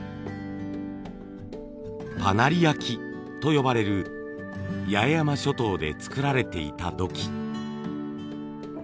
「パナリ焼き」と呼ばれる八重山諸島で作られていた土器。